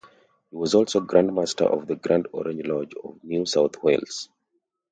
He was also Grand Master of the Grand Orange Lodge of New South Wales.